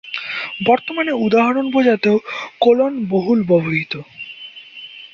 বর্তমানে উদাহরণ বোঝাতেও কোলন বহুল ব্যবহৃত।